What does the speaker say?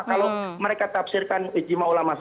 kalau mereka tafsirkan ijtima ulama satu